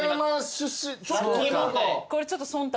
これちょっと忖度。